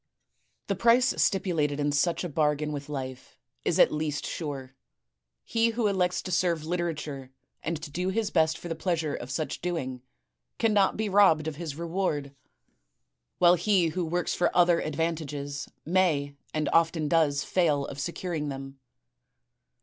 The price stipulated in such a bargain with life is at least sure. He who elects to serve literature and to do his best for the pleasure of such doing, cannot be robbed of his reward; while he who works for other advantages may and often does fail of securing them.